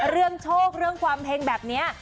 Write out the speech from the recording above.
เรื่องโชคเรื่องความเฮงแบบนี้